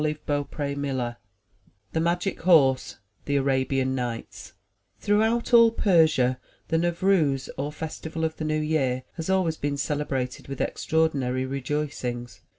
MY BOOK HOUSE THE MAGIC HORSE The Arabian Nights HROUGHOUT all Persia the Nevrouz, or Festi val of the New Year, has always been celebrated with extraordinary rejoicings.